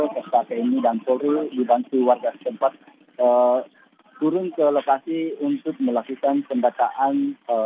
kota tni dan polri dibantu warga sempat turun ke lokasi untuk melakukan pembataan